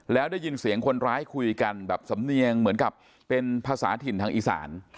แล้วได้ยินเสียงคนร้ายคุยกันแบบสำเนียงเหมือนกับเป็นภาษาถิ่นทางอีสาน